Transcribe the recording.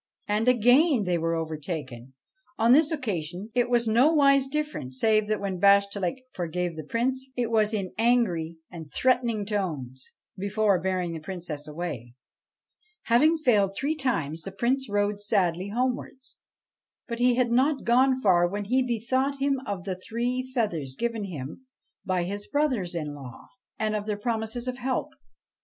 And again they were overtaken. On this occasion it was nowise different, save that when Bashtchelik forgave the Prince it was in angry and threatening tones, before bearing the Princess away. Having failed three times, the Prince rode sadly homewards. But he had not gone far when he bethought him of the three feathers given him by his brothers in law, and of their promises of help.